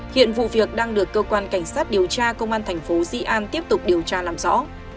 hiện vụ việc đang được cơ quan cảnh sát điều tra công an thành phố di an tiếp tục điều tra làm rõ